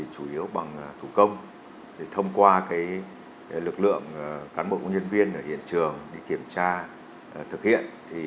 chủ yếu bằng thủ công thông qua lực lượng cán bộ công nhân viên ở hiện trường đi kiểm tra thực hiện